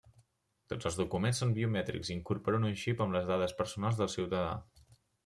Tots els documents són biomètrics i incorporen un xip amb les dades personals del ciutadà.